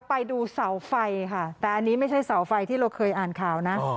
ไปดูเสาไฟค่ะแต่อันนี้ไม่ใช่เสาไฟที่เราเคยอ่านข่าวนะ